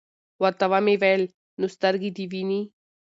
ورته ومي ویل : نو سترګي دي وینې ؟